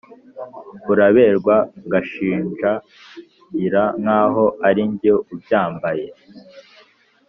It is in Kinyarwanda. uraberwa ngashinjagira nkaho arinjye ubyambaye."